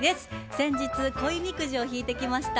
先日恋みくじを引いてきました。